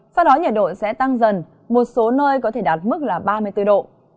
sau đó nhiệt độ sẽ tăng dần một số nơi có thể đạt mức là ba mươi bốn độ